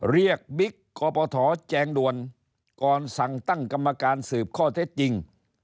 เรียกบิ๊กกปฐแจงด่วนก่อนสั่งตั้งกรรมการสืบข้อเท็จจริง